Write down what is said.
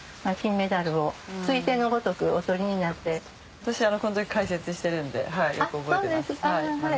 私この時解説してるんでよく覚えてます。